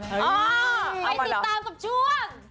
ไปติดตามกับช่วง